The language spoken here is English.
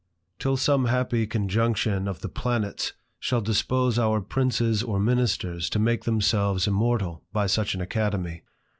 Till some happy conjunction of the planets shall dispose our princes or ministers to make themselves immortal by such an academy.